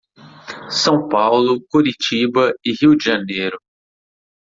São Paulo, Curitiba e Rio de Janeiro.